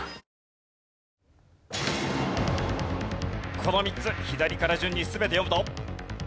この３つ左から順に全て読むと？